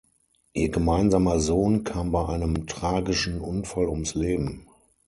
Ihr gemeinsamer Sohn kam bei einem tragischen Unfall ums Leben.